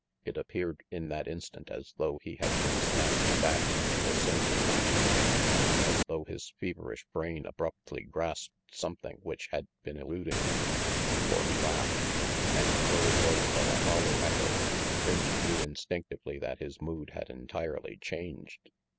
It appeared in that instant as though he had been snatched back into a saner consciousness, as though his feverish brain abruptly grasped something which had been eluding him; for he laughed, and though it was but a hollow echo, Rangy knew instinctively that his mood had entirely changed.